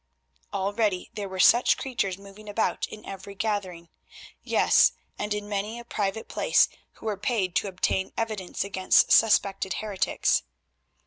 Already there were such creatures moving about in every gathering, yes, and in many a private place, who were paid to obtain evidence against suspected heretics.